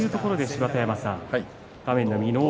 芝田山さん、王鵬